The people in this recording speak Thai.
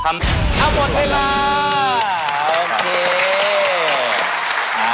เอาหมดเวลา